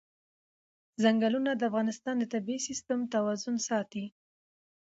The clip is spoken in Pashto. چنګلونه د افغانستان د طبعي سیسټم توازن ساتي.